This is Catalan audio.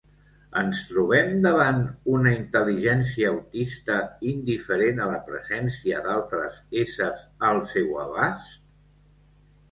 Ens trobem davant una intel·ligència autista, indiferent a la presència d'altres éssers al seu abast?